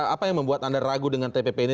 apa yang membuat anda ragu dengan tpp ini